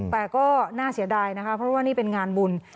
แต่ก็น่าเสียดายนะคะเพราะว่านี่เป็นงานบุญ